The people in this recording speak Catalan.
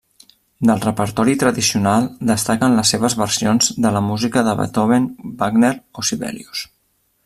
Del repertori tradicional destaquen les seves versions de la música de Beethoven, Wagner o Sibelius.